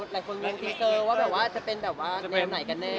หลายคนมองทีเซอร์ว่าจะเป็นแบบว่าในวันไหนกันแน่